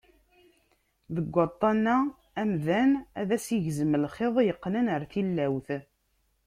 Deg waṭṭan-a, amdan ad as-igzem lxiḍ yeqqnen ar tilawt.